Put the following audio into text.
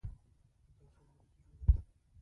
د کلسیم هډوکي جوړوي.